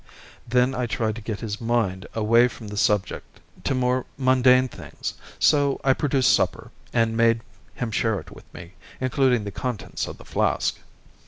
Then I tried to get his mind away from the subject to more mundane things, so I produced supper, and made him share it with me, including the contents of the flask.